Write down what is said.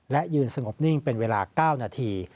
และยืนสงบนิ่งเป็นเวลา๙นาที